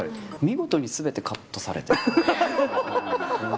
見事にすべてカットされて。